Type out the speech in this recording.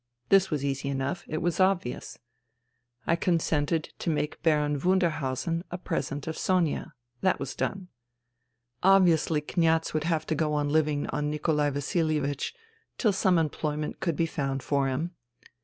This was easy enough : it was obvious. I consented to make Baron Wunder hausen a present of Sonia. That was done. Ob viously Kniaz would have to go on living on Nikolai Vasilievich till some employment could be found for him.